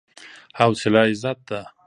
حوصله عزت ده.